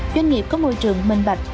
doanh nghiệp có môi trường minh bạch